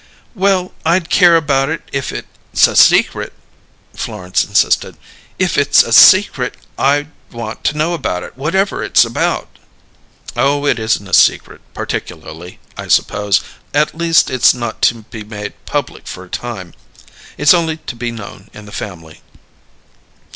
"Well, I'd care about it if it's a secret," Florence insisted. "If it's a secret I'd want to know it, whatever it's about." "Oh, it isn't a secret, particularly, I suppose. At least, it's not to be made public for a time; it's only to be known in the family."